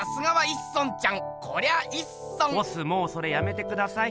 もうそれやめてください。